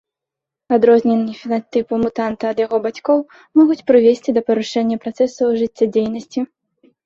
Адрозненні фенатыпу мутанта ад яго бацькоў могуць прывесці да парушэння працэсаў жыццядзейнасці.